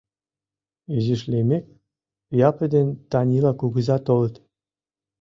Изиш лиймек, Япи ден Танила кугыза толыт.